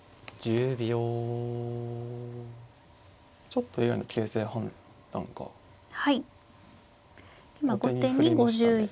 ちょっとＡＩの形勢判断が後手に振れましたね。